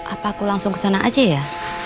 apa aku langsung kesana aja ya